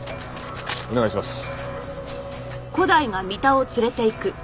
お願いします。